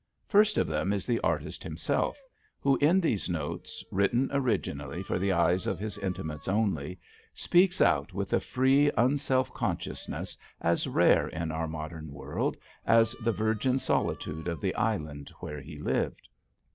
First of them is the artist himself, who in these notes, written originally for the eyes of his intimates only, speaks out with a free unselfconsciousness as rare in our modern world as the virgin solitude of the island where he lived.